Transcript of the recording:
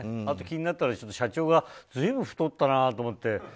あと気になったのは社長が随分、太ったなと思って。